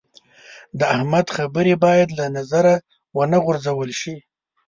د احمد خبرې باید له نظره و نه غورځول شي.